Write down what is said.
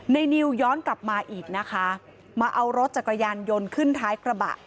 นิวย้อนกลับมาอีกนะคะมาเอารถจักรยานยนต์ขึ้นท้ายกระบะ